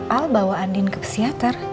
al bawa andin ke psikiater